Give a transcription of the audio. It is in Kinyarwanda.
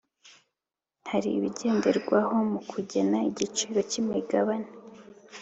Hari ibigenderwaho mu kugena igiciro cy ‘imigabane.